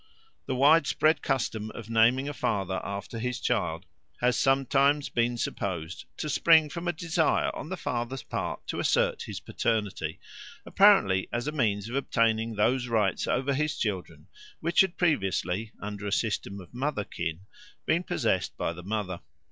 The widespread custom of naming a father after his child has sometimes been supposed to spring from a desire on the father's part to assert his paternity, apparently as a means of obtaining those rights over his children which had previously, under a system of mother kin, been possessed by the mother.